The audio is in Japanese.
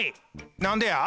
なんでや？